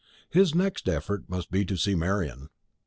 His next effort must be to see Marian.